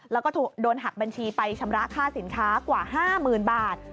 แล้วก็โดนหักบัญชีไปชำระค่าสินค้ากว่า๕๐๐๐บาท